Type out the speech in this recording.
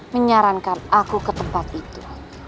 menyarankan aku ke tempat itu